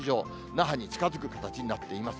那覇に近づく形になっています。